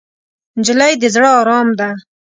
نجلۍ د زړه ارام ده.